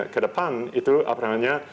ke depan itu apa namanya